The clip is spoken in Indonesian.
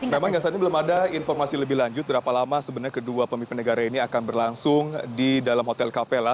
memang hingga saat ini belum ada informasi lebih lanjut berapa lama sebenarnya kedua pemimpin negara ini akan berlangsung di dalam hotel capella